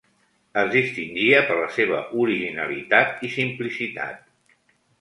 Es distingia per la seva originalitat i simplicitat.